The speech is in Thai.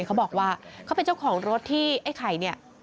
เขาบอกว่าเขาเป็นเจ้าของรถที่ไอ้ไข่เนี่ย